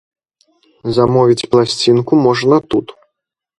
Замовіць пласцінку можна тут.